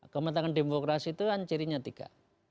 kematangan demokrasi itu kan cirinya tiga